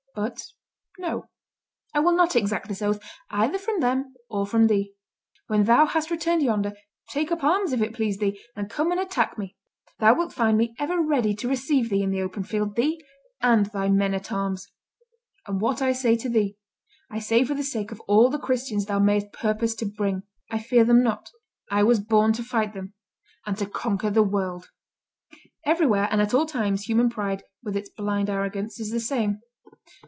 But no; I will not exact this oath either from them or from thee. When thou hast returned yonder, take up arms if it please thee, and come and attack me. Thou wilt find me ever ready to receive thee in the open field, thee and thy men at arms. And what I say to thee, I say for the sake of all the Christians thou mayest purpose to bring. I fear them not; I was born to fight them, and to conquer the world." Everywhere and at all times human pride, with its blind arrogance, is the same.